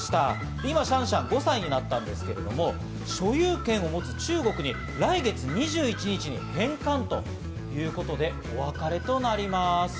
今、シャンシャンは５歳になったんですけれども、所有権を持つ中国に来月２１日に返還ということでお別れとなります。